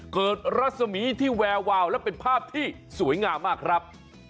รัศมีที่แวววาวและเป็นภาพที่สวยงามมากครับ